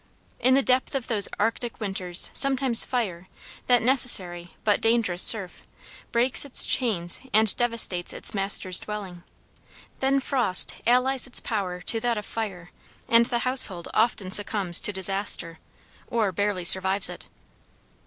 In the depth of those arctic winters sometimes fire, that necessary but dangerous serf, breaks its chains and devastates its master's dwelling; then frost allies its power to that of fire, and the household often succumbs to disaster, or barely survives it.